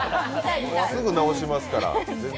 すぐ直しますから。